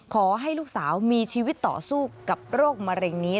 ขอให้ลูกสาวมีชีวิตต่อสู้กับโรคมะเร็งนี้